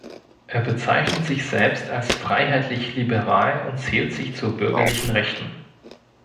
Er bezeichnet sich selbst als freiheitlich-liberal und zählt sich zur bürgerlichen Rechten.